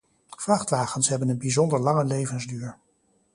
Vrachtwagens hebben een bijzonder lange levensduur.